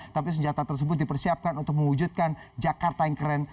tapi senjata tersebut dipersiapkan untuk mewujudkan jakarta yang keren